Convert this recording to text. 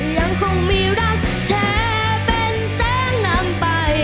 ยังคงมีรักแท้เป็นแสนนำไป